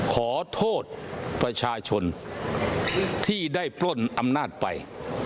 ขอโทษประชาชนที่ได้ปล้นอำนาจไป